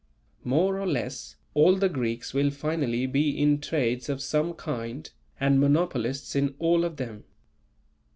More or less, all the Greeks will finally be in trades of some kind, and monopolists in all of them.